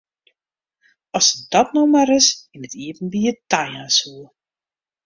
As se dat no mar ris yn it iepenbier tajaan soe!